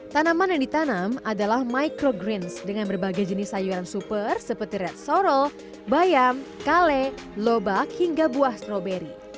tanaman yang ditanam adalah microgreens dengan berbagai jenis sayuran super seperti red sorol bayam kale lobak hingga buah stroberi